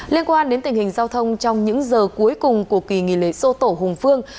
liên quan đến tình hình giao thông trong những giờ cuối cùng của kỳ nghỉ lễ sô tổ hùng phương